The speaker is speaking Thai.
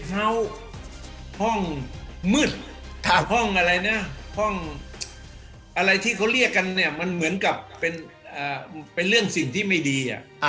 ห้องมืดห้องอะไรที่เขาเรียกกันมันเหมือนกับเป็นเรื่องสิ่งที่ไม่ดี